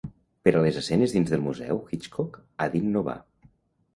Per a les escenes dins del museu, Hitchcock ha d'innovar.